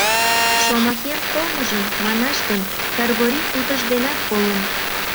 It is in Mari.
Шомакем колмыжым, манаш гын, Кыргорий утыжденат колын.